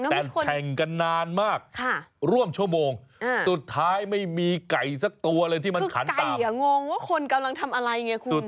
แต่แข่งกันนานมากร่วมชั่วโมงสุดท้ายไม่มีไก่สักตัวเลยที่มันขันไก่งงว่าคนกำลังทำอะไรไงคุณ